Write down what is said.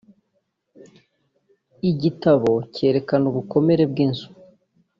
igitabo cyerekana ubukomere bw’inzu